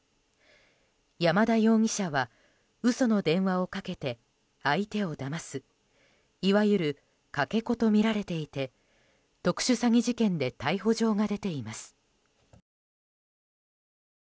山田容疑者は嘘の電話をかけて相手をだますいわゆる、かけ子とみられていて特殊詐欺事件で逮捕状が出ています。